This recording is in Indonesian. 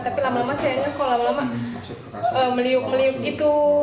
tapi lama lama saya ingat kalau lama lama meliuk meliuk gitu